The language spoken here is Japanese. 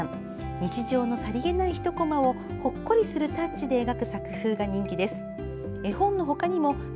日常のさりげない、一こまをほっこりするタッチで描く作風が人気です。